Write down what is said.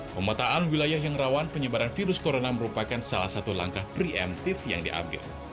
pemetaan wilayah yang rawan penyebaran virus corona merupakan salah satu langkah preemptif yang diambil